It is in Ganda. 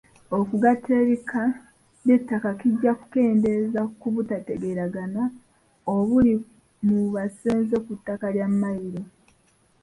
Okugatta ebika by'ettaka kijja kukendeeza ku butategeeragana obuli mu basenze ku ttaka lya Mmayiro.